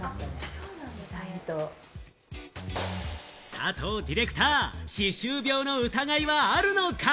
佐藤ディレクター、歯周病の疑いはあるのか？